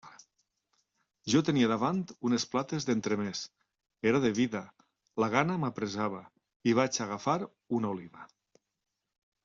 Jo tenia davant unes plates d'entremès, era de vida, la gana m'apressava, i vaig agafar una oliva.